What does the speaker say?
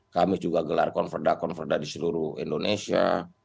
kami juga gelar konferda konferda di seluruh indonesia